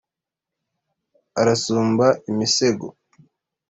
arasumba imisego